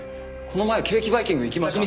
この前ケーキバイキング行きました。